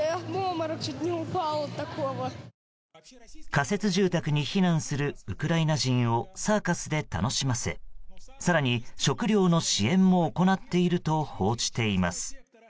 仮設住宅に避難するウクライナ人をサーカスで楽しませ、更に食料の支援も行っていると報じています。